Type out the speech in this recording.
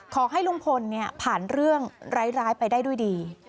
ขอให้ลุงพลผ่านเรื่องร้ายไปได้ด้วยดี